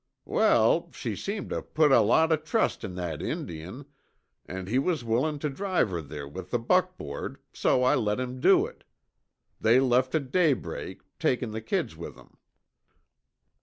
"Well, she seemed to put a lot o' trust in that Indian, an' he was willin' to drive her there with the buckboard, so I let him do it. They left at daybreak, takin' the kids with 'em."